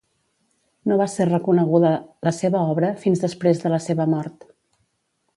No va ser reconeguda la seva obra fins després de la seva mort.